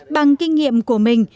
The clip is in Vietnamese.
bằng kinh nghiệm của mình